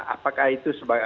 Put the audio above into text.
apakah itu seperti roadmap